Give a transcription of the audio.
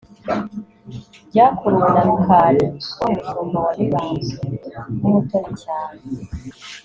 Byakuruwe na Rukali wari umushumba wa Mibambwe w’umutoni cyane